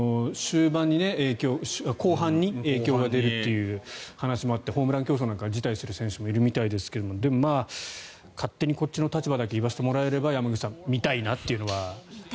後半に影響が出るという話もあってホームラン競争なんかは辞退する選手もいるみたいですがでも、勝手にこっちの立場だけ言わせてもらえれば山口さん、見たいなというのは。